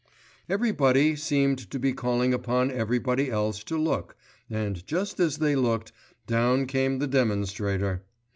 Everybody seemed to be calling upon everybody else to look, and just as they looked, down came the demonstrator.